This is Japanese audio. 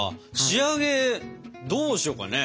仕上げどうしようかね？